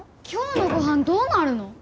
今日のご飯どうなるの？